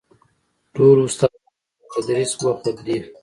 ټول استادان په تدريس بوخت دي.